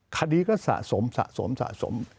คดีก็สะสมสะสมสะสม